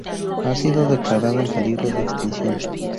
Ha sido declarada en peligro de extinción.